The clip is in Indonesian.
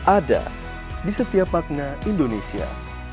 ada di setiap makna indonesia